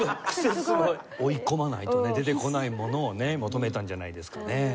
追い込まないとね出てこないものをね求めたんじゃないですかね。